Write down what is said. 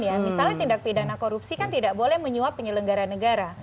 ya misalnya tindak pidana korupsi kan tidak boleh menyuap penyelenggara negara